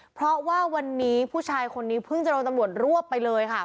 เพราะว่าวันนี้ผู้ชายคนนี้เพิ่งจะโดนตำรวจรวบไปเลยค่ะ